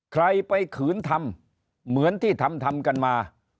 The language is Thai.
ใครไปขืนทำเหมือนที่ทำทำกันมา